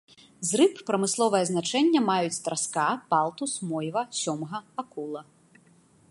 З рыб прамысловае значэнне маюць траска, палтус, мойва, сёмга, акула.